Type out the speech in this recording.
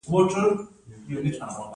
آیا د ماهیپر لاره خطرناکه ده؟